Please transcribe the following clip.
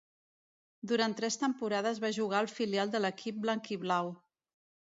Durant tres temporades va jugar al filial de l'equip blanc-i-blau.